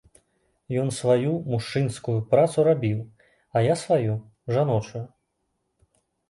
Ён сваю, мужчынскую, працу рабіў, а я сваю, жаночую.